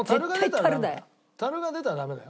樽が出たらダメだよ。